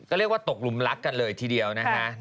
ก็เรียกว่าตกลุมรักกันเลยทีเดียวนะคะ